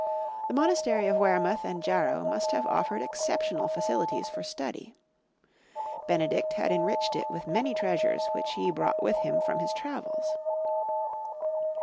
The monastery of Wearmouth and Jarrow must have offered exceptional facilities for study. Benedict had enriched it with many treasures which he brought with him from his travels.